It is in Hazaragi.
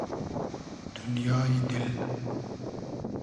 دونیای دیل